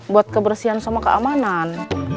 buat kebersihan sama keamanan